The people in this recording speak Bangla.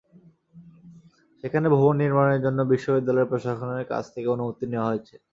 সেখানে ভবন নির্মাণের জন্য বিশ্ববিদ্যালয় প্রশাসনের কাছ থেকে অনুমতি নেওয়া হয়েছে।